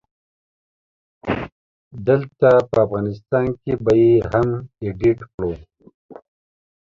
دلته په افغانستان کې به يې هم اډيټ کړو